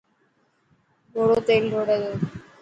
گهوڙو تيل ڊروڙي تو.